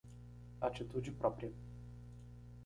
Atitude própria